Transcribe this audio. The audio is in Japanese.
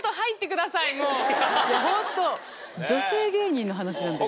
いやホント女性芸人の話なんだよ。